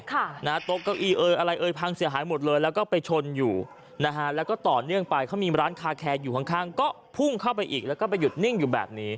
ค่ะนะฮะโต๊ะเก้าอี้เอ่ยอะไรเอ่ยพังเสียหายหมดเลยแล้วก็ไปชนอยู่นะฮะแล้วก็ต่อเนื่องไปเขามีร้านคาแคร์อยู่ข้างข้างก็พุ่งเข้าไปอีกแล้วก็ไปหยุดนิ่งอยู่แบบนี้